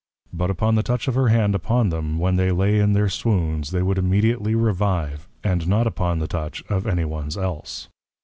But upon the Touch of her Hand upon them, when they lay in their Swoons, they would immediately Revive; and not upon the Touch of any ones else.